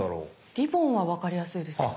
リボンは分かりやすいですけどね。